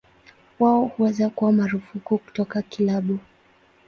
Wao huweza kuwa marufuku kutoka kilabu.